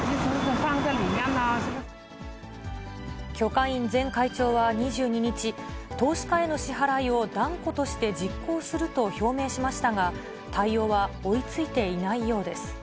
許家印前会長は２２日、投資家への支払いを断固として実行すると表明しましたが、対応は追いついていないようです。